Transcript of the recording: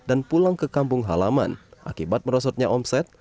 dan pulang ke kampung halaman akibat merosotnya omset